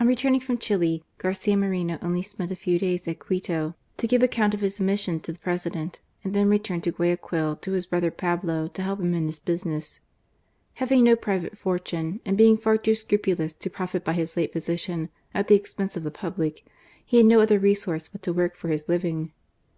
On returning from Chili, Garcia Moreno only spent a few days at Quito to give account of his mission to the President, and then returned to Guayaquil to his brother Pablo to help him in hi§ business. Having no private fortune, and being far too scrupulous to profit by his late position at the expense of the public, he had no other resource but to work for his living.